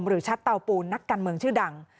ชัดเตาปูนนักการเมืองชื่อดัง